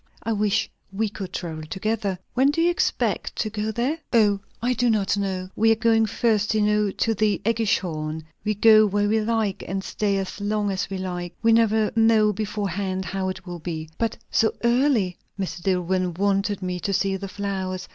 "I wish we could travel together! When do you expect to get there?" "O, I do not know. We are going first, you know, to the AEggischhorn. We go where we like, and stay as long as we like; and we never know beforehand how it will be." "But so early! " "Mr. Dillwyn wanted me to see the flowers.